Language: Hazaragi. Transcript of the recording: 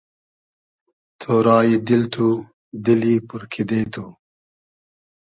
تۉرای دیل تو ، دیلی پور کیدې تو